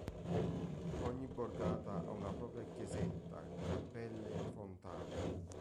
Ogni borgata ha una propria chiesetta, cappelle, fontane.